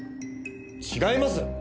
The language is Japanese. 違います！